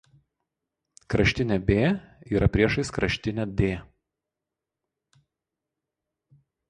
Kraštinė "b" yra priešais kraštinė "d".